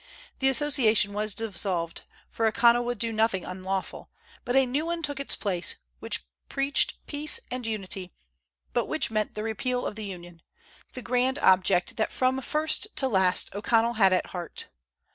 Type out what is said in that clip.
The Association was dissolved, for O'Connell would do nothing unlawful; but a new one took its place, which preached peace and unity, but which meant the repeal of the Union, the grand object that from first to last O'Connell had at heart.